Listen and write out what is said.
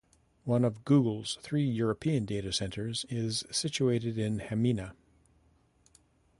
One of Google's three European data centers is situated in Hamina.